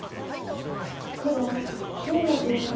黒１０の十七。